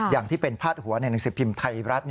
อย่างที่เป็นพาดหัวในหนังสือพิมพ์ไทยรัฐ